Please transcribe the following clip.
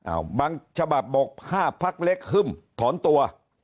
บางฉบับบอก๕พักเล็กฮึ่มถอนตัว